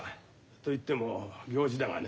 といっても行司だがね。